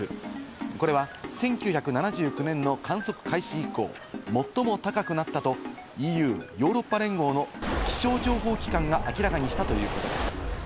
これは１９７９年の観測開始以降、最も高くなったと、ＥＵ＝ヨーロッパ連合の気象情報機関が明らかにしたということです。